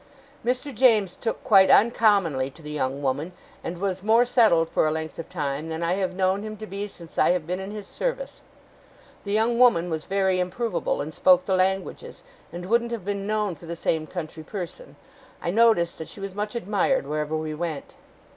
'Mr. James took quite uncommonly to the young woman; and was more settled, for a length of time, than I have known him to be since I have been in his service. The young woman was very improvable, and spoke the languages; and wouldn't have been known for the same country person. I noticed that she was much admired wherever we went.